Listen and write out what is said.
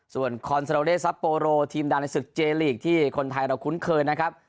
ส่วนซัปโปโรทีมดาวน์ในศึกเจลีกที่คนไทยเราคุ้นเคินนะครับ